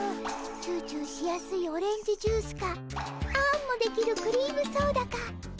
チューチューしやすいオレンジジュースかあんもできるクリームソーダか。